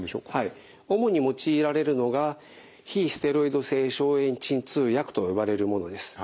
主に用いられるのが非ステロイド性消炎鎮痛薬と呼ばれるものです。